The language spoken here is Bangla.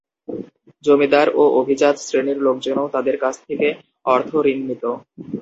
জমিদার ও অভিজাত শ্রেণির লোকজনও তাদের কাছ থেকে অর্থ ঋণ নিত।